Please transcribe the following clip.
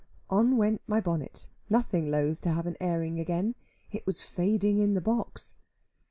On went my bonnet, nothing loth to have an airing again. It was fading in the box.